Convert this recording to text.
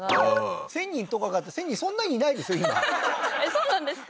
そうなんですか？